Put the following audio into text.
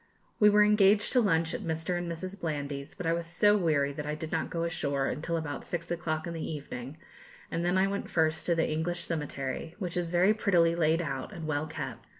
We were engaged to lunch at Mr. and Mrs. Blandy's, but I was so weary that I did not go ashore until about six o'clock in the evening, and then I went first to the English cemetery, which is very prettily laid out and well kept.